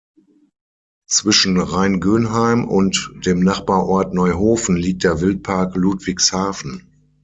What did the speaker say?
Zwischen Rheingönheim und dem Nachbarort Neuhofen liegt der Wildpark Ludwigshafen.